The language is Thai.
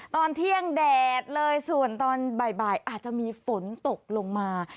ตอนเที่ยงแดดเลยส่วนตอนบ่ายอาจจะมีฝนตกลงมา